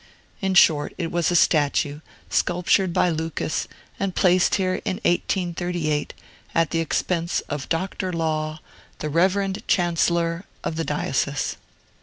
In short, it was a statue, sculptured by Lucas, and placed here in 1838, at the expense of Dr. Law, the reverend chancellor of the diocese.